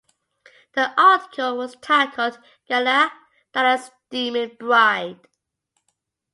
The article was titled, "Gala, Dali's Demon Bride".